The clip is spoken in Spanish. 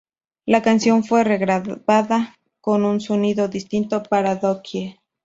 La canción fue regrabada, con un sonido distinto para "Dookie".